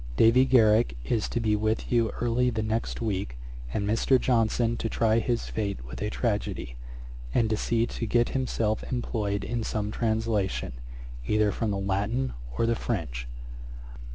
Davy Garrick is to be with you early the next week, and Mr. Johnson to try his fate with a tragedy, and to see to get himself employed in some translation, either from the Latin or the French.